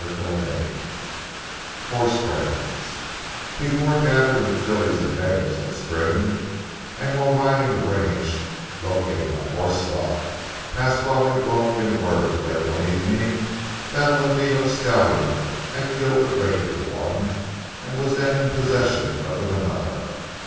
CHAPTER XIX HORSE BRANDS Before gathering the fillies and mares that spring, and while riding the range, locating our horse stock, Pasquale brought in word late one evening that a ladino stallion had killed the regular one, and was then in possession of the manada.